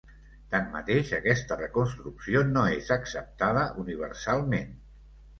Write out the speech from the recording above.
Tanmateix, aquesta reconstrucció no és acceptada universalment.